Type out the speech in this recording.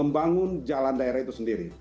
membangun jalan daerah itu sendiri